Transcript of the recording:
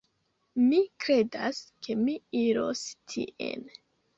Mi kredas, ke mi iros tien.